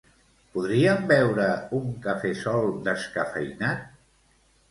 Podríem beure un cafè sol descafeïnat?